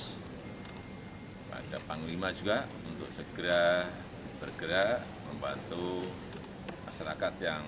kepada panglima juga untuk segera bergerak membantu masyarakat yang